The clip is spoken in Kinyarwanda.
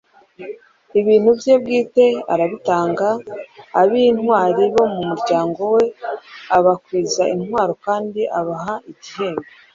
ibintu bye bwite arabitanga, ab'intwari bo mu muryango we abakwiza intwaro kandi abaha n'igihembo